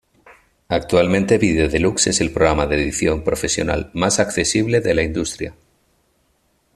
Actualmente Video deluxe es el programa de edición profesional más accesible de la industria.